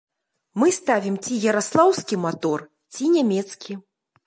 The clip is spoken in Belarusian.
Мы ставім ці яраслаўскі матор, ці нямецкі.